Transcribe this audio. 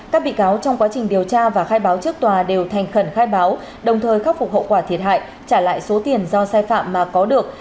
các bị cáo trong quá trình điều tra và khai báo trước tòa đều thành khẩn khai báo đồng thời khắc phục hậu quả thiệt hại trả lại số tiền do sai phạm mà có được